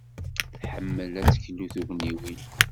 Tḥemmel ad d-teklu tugniwin.